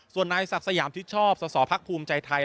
ส่วนนายศักดิ์สยามชิดชอบสสพักภูมิใจไทย